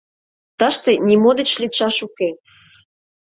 Тыште нимо деч лӱдшаш уке.